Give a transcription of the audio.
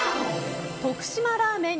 徳島ラーメン